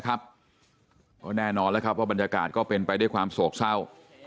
ก็แน่นอนแล้วครับว่าบรรยากาศก็เป็นไปด้วยความโศกเศร้า